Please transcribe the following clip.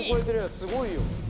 すごいよ。